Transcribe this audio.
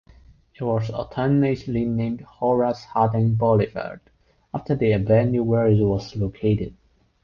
It was alternately named Horace Harding Boulevard, after the avenue where it was located.